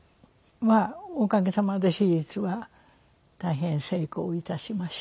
まあおかげさまで手術は大変成功いたしまして。